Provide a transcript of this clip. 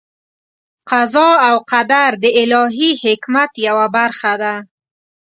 قضا او قدر د الهي حکمت یوه برخه ده.